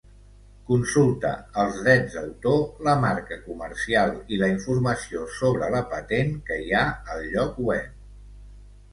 Consulta els drets d'autor, la marca comercial i la informació sobre la patent que hi ha al lloc web.